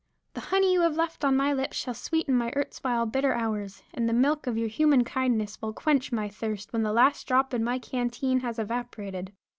The honey you have left on my lips shall sweeten my ertswhile bitter hours, and the milk of your human kindness will quench my thirst when the last drop in my canteen has evaporated.